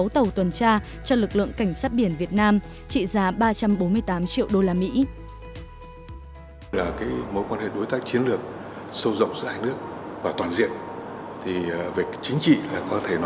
đã xác biển việt nam trị giá